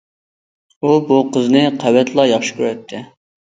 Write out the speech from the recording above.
ئۇ بۇ قىزنى قەۋەتلا ياخشى كۆرەتتى.